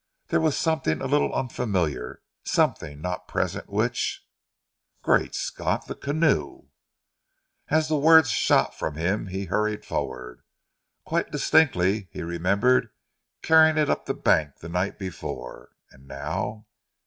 There was something a little unfamiliar, something not present which "Great Scott! The canoe!" As the words shot from him he hurried forward. Quite distinctly he remembered carrying it up the bank the night before, and now